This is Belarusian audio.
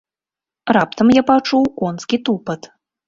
Раптам я пачуў конскі тупат.